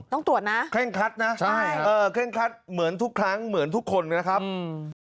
ต้องตรวจนะใช่แค่งคัดเหมือนทุกครั้งเหมือนทุกคนนะครับ